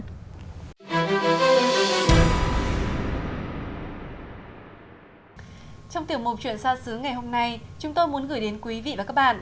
chúng tôi muốn gửi đến quý vị và các bạn